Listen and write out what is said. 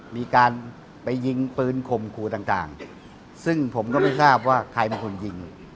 มีการไปยิงปืนข่มขู่ต่างซึ่งผมก็ไม่ทราบว่าใครเป็นคนยิง